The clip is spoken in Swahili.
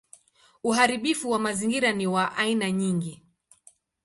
Uharibifu wa mazingira ni wa aina nyingi.